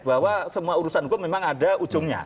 bahwa semua urusan hukum memang ada ujungnya